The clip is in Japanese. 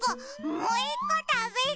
もういっこたべる！